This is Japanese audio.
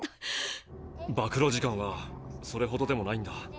ばく露時間はそれほどでもないんだ。